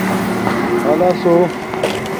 خلَص ہݸ